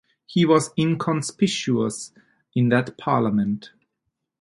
He was inconspicuous in that Parliament.